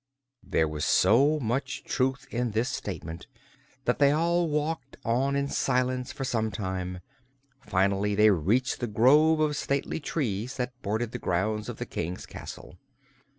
There was so much truth in this statement that they all walked on in silence for some time. Finally they reached the grove of stately trees that bordered the grounds of the King's castle.